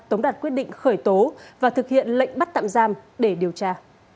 tống đạt quyết định khởi tố và thực hiện lệnh bắt tạm giam để điều tra